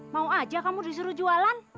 mau aja kamu disuruh jualan